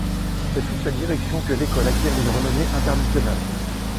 C'est sous sa direction que l'école acquiert une renommée internationale.